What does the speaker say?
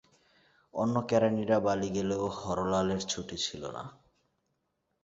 অন্য কেরানিরা বাড়ি গেলেও হরলালের ছুটি ছিল না ।